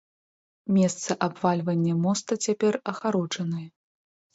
Месца абвальвання моста цяпер агароджанае.